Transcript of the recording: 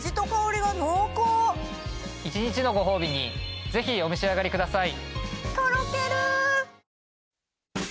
一日のご褒美にぜひお召し上がりください。